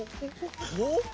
おっ？